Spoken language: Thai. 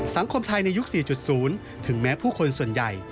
สังคมไทยในยุค๔๐ถึงแม้ผู้คนส่วนใหญ่